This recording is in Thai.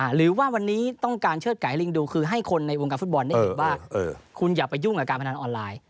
หรือว่าวันนี้ต้องการเชิดไก่ลิงดูคือให้คนในวงการฟุตบอลได้เห็นว่าคุณอย่าไปยุ่งกับการพนันออนไลน์